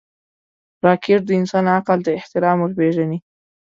راکټ د انسان عقل ته احترام ورپېژني